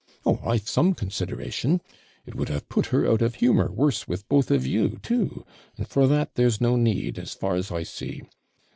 Oh, I've some consideration it would have put her out of humour worse with both of you too; and for that there's no need, as far as I see.